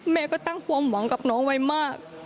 แม่ก็ตั้งความหวังกับน้องไว้มาก